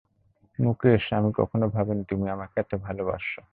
মুকেশ, আমি কখনই ভাবিনি তুমি আমাকে এত ভালবাস।